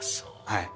はい。